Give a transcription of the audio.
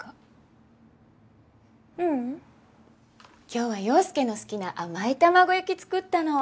今日は陽佑の好きな甘い卵焼き作ったの。